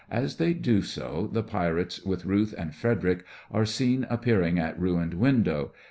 As they do so, the Pirates, with RUTH and FREDERIC, are seen appearing at ruined window.